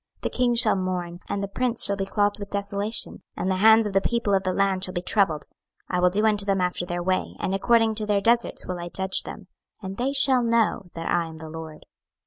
26:007:027 The king shall mourn, and the prince shall be clothed with desolation, and the hands of the people of the land shall be troubled: I will do unto them after their way, and according to their deserts will I judge them; and they shall know that I am the LORD.